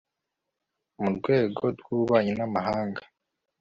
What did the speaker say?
mu rwego rw'ububanyi n'amahanga